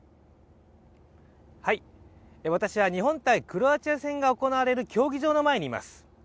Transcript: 私は日本×クロアチア戦が行われる競技場の前にいます。